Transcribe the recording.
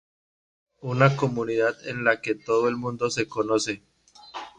Una comunidad en la que todo el mundo se conoce.